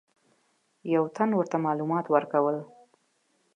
یو تن ورته معلومات ورکول.